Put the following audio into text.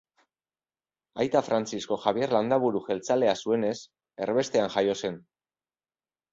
Aita Frantzisko Jabier Landaburu jeltzalea zuenez, erbestean jaio zen.